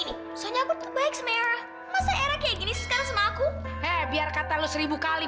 mom aku happy banget tuh hari ini